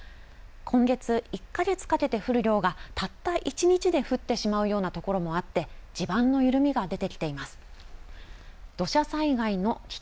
今月１か月かけて降る量がたった１日で降ってしまうような所もあって、地盤の緩みが出てきています。